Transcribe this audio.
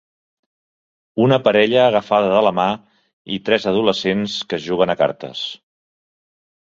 Una parella agafada de la mà i tres adolescents que juguen a cartes.